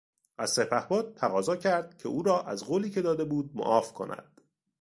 از سپهبد تقاضا کرد که او را از قولی که داده بود معاف کند.